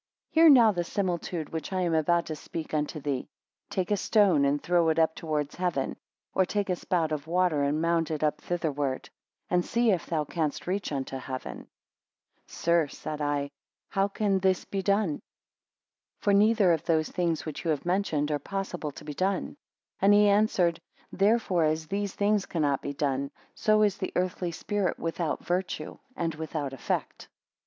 13 Hear now the similitude which I am about to speak unto thee. Take a stone, and throw it up towards heaven; or take a spout of water, and mount it up thitherward; and see if thou canst reach unto heaven. 14 Sir; said I, how can this be done? For neither of those things which you have mentioned, are possible to be done. And he answered, Therefore as these things cannot be done, so is the earthy spirit without virtue, and without effect.